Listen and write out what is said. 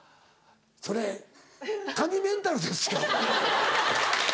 それ神メンタルですよ。